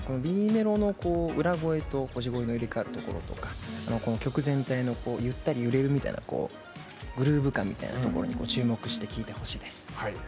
Ｂメロの裏声とか曲全体のゆったり揺れるみたいなグルーヴ感みたいなところに注目して聴いてほしいです。